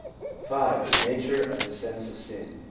The Nature of the Sense of Sin.